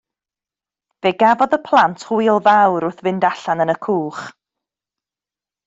Fe gafodd y plant hwyl fawr wrth fynd allan yn y cwch.